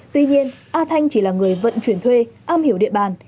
tuy nhiên a thanh chỉ là người vận chuyển thuê am hiểu địa bàn